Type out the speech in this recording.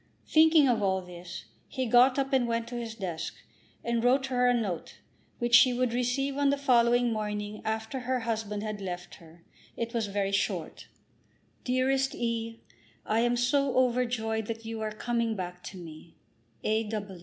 Thinking of all this, he got up, and went to his desk, and wrote her a note, which she would receive on the following morning after her husband had left her. It was very short. DEAREST E. I am so overjoyed that you are coming back to me. A.